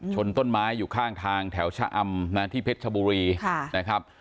ชนต้นไม้อยู่ข้างทางแถวชะอำนะที่เพชรชบุรีนะครับ